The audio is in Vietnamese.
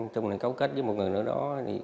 trong lần cấu kết với một người nữa đó